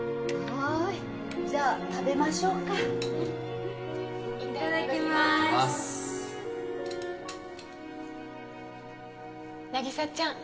はいじゃあ食べましょうかいただきます凪沙ちゃん